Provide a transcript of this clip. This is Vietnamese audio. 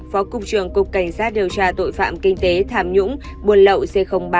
phó cục trưởng cục cảnh sát điều tra tội phạm kinh tế thảm nhũng